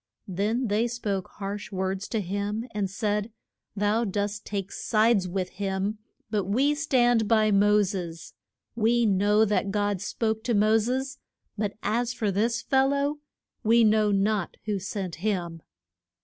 Then they spoke harsh words to him, and said, Thou dost take sides with him, but we stand by Mo ses. We know that God spoke to Mo ses; but as for this fel low, we know not who sent him.